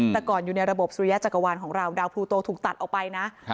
แต่ก่อนอยู่ในระบบสุริยจักรวาลของเราดาวพลูโตถูกตัดออกไปนะ